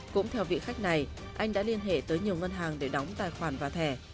cũng theo vị khách này anh đã liên hệ tới nhiều ngân hàng để đóng tài khoản và thẻ